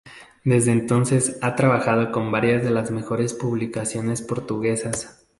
Desde entonces ha trabajado con varias de las mejores publicaciones portuguesas.